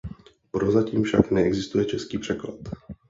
Prozatím však neexistuje český překlad.